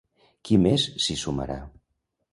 Qui més s'hi sumarà?